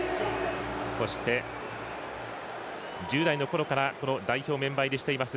そして、１０代のころから代表メンバー入りしています